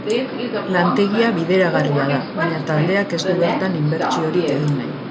Lantegia bideragarria da, baina taldeak ez du bertan inbertsiorik egin nahi.